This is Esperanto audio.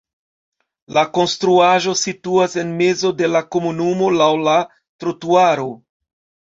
La konstruaĵo situas en mezo de la komunumo laŭ la trotuaro.